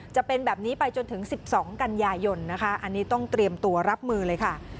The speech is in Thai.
จะเป็นแบบนี้ไปจนถึง๑๒กันยายนนะคะอันนี้ต้องเตรียมตัวรับมือเลยค่ะ